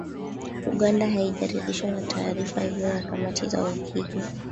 Uganda haijaridhishwa na taarifa hiyo ya kamati ya uhakiki